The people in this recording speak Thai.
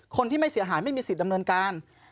คนที่ไม่เสียหายไม่มีสิทธิ์ดำเนินการ